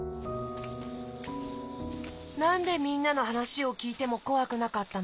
なんでみんなのはなしをきいてもこわくなかったの？